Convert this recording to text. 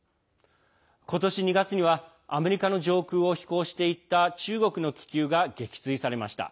今年２月にはアメリカの上空を飛行していた中国の気球が撃墜されました。